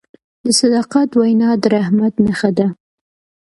د صداقت وینا د رحمت نښه ده.